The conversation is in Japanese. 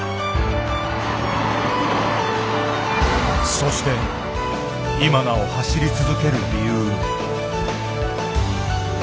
そして今なお走り続ける理由。